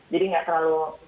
jadi enggak terlalu